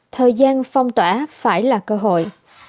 thời gian phong tỏa phải là cơ hội